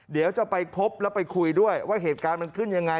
เดี๋ยวจะไปพบแล้วไปคุยด้วยว่าเหตุการณ์มันขึ้นยังไง